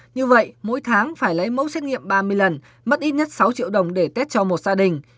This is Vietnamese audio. như vậy mỗi tháng phải lấy mẫu xét nghiệm ba mươi lần mất ít nhất sáu triệu đồng để tết cho một gia đình